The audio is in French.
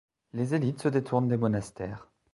Les élites se détournent des monastères.